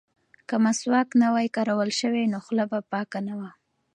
که مسواک نه وای کارول شوی نو خوله به پاکه نه وه.